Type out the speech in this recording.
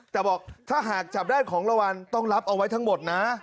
แต่บอกถ้าหากจับได้ของรางวัลต้องรับเอาไว้ทั้งหมดนะ